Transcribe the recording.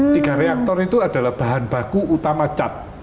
tiga reaktor itu adalah bahan baku utama cat